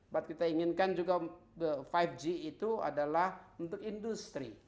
buat kita inginkan juga lima g itu adalah untuk industri